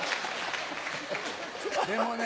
でもね